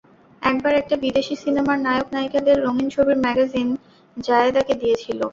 একবার একটা বিদেশি সিনেমার নায়ক নায়িকাদের রঙিন ছবির ম্যাগাজিন জাহেদাকে দিয়েছিল।